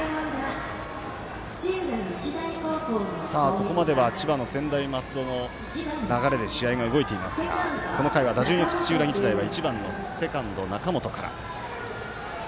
ここまでは千葉の専大松戸の流れで試合が動いていますがこの回、打順よく土浦日大は１番のセカンド、中本から。